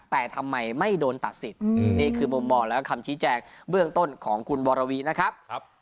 แต่ทำไมไม่โดนตัดสิทธิ์นี่คือมุมมองและคำชี้แจงเบื้องต้นของคุณวรวีนะครับ